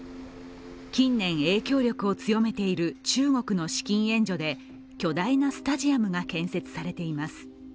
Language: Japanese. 近年、影響力を強めている中国の資金援助で巨大なスタジアムが建設されています。